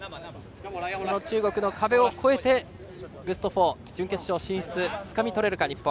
その中国の壁を越えてベスト４、準決勝進出をつかみ取れるか、日本。